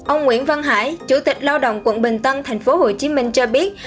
ông nguyễn văn hải chủ tịch lao động quận bình tân tp hcm cho biết